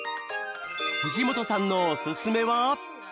藤本さんのおすすめは？